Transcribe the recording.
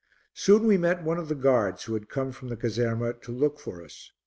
Soon we met one of the guards who had come from the caserma to look for us.